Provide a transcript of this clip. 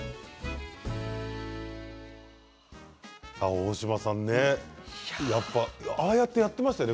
大島さんああやってやっていましたか？